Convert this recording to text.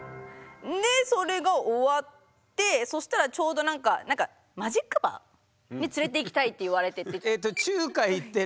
でそれが終わってそしたらちょうどなんかマジックバーに連れていきたいって言われて。